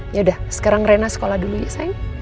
yaudah sekarang rena sekolah dulu ya sayang